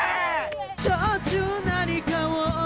「しょっちゅう何かを」